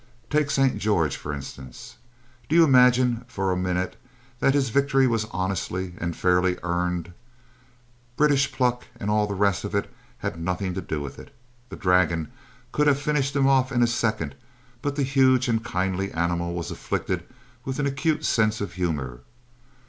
Take St. George, for instance. Do you imagine for a minute that his victory was honestly and fairly earned? British pluck and all the rest of it had nothing to do with it. The dragon could have finished him off in a second, but the huge and kindly animal was afflicted with an acute sense of humor.